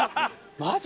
マジ？